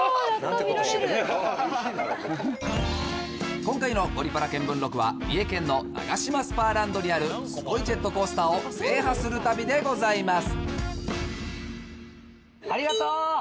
今回の「ゴリパラ見聞録」は三重県のナガシマスパーランドにあるすごいジェットコースターを制覇する旅でございます。